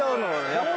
やっぱり。